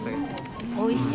おいしい。